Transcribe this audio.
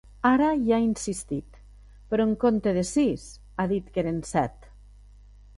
Ara hi ha insistit, però en compte de sis ha dit que eren set.